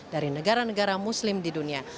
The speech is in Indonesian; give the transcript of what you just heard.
dari negara negara muslim di dunia